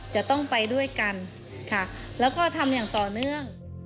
จะต้องไปด้วยกันค่ะแล้วก็ทำอย่างต่อเนื่อง